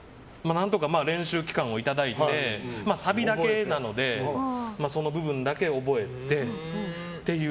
何とか練習期間をいただいてサビだけなのでその部分だけ覚えてっていう。